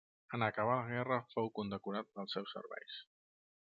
En acabar la guerra fou condecorat pels seus serveis.